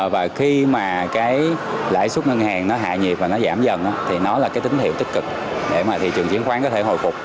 và khi mà cái lãi suất ngân hàng nó hạ nhiệt và nó giảm dần thì nó là cái tín hiệu tích cực để mà thị trường chứng khoán có thể hồi phục